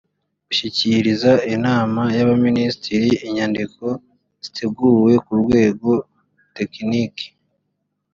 gushyikiriza inama y abaminisitiri inyandiko yateguwe ku rwego tekiniki